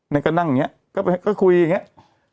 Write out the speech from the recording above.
นี่ก็นั่งอย่างนี้ก็คุยอย่างนี้